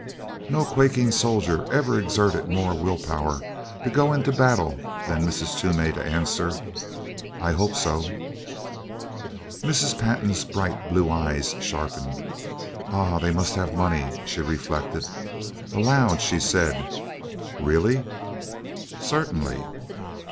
No quaking soldier ever exerted more will power to go into battle than did Mrs. Toomey to answer: "I hope so." Mrs. Pantin's bright blue eyes sharpened. "Ah h, they must have money!" she reflected. Aloud she said: "Really?" "Certainly."